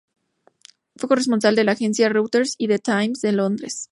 Fue corresponsal de la agencia Reuters y "The Times" de Londres.